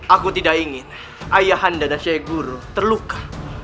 aku tidak ingin ayahanda dan syaiguru terluka